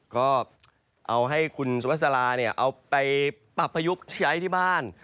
ก็เอาให้คุณสวัสดาเอาไปปรับพยุคใช้ที่บ้าน